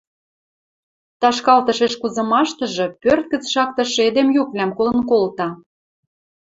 Ташкалтышеш кузымаштыжы пӧрт гӹц шактышы эдем юквлӓм колын колта.